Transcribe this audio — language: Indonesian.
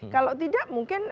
kalau tidak mungkin tidak